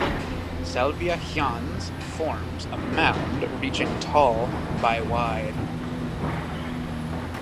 "Salvia hians" forms a mound reaching tall by wide.